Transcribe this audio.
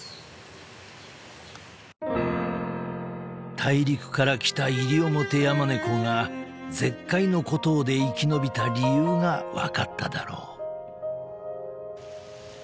［大陸から来たイリオモテヤマネコが絶海の孤島で生き延びた理由が分かっただろう］